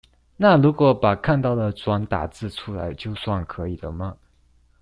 那如果把看到的轉打字出來，就算可以了嗎？